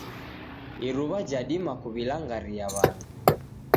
Iruwa jadima kuwilangaria wandu.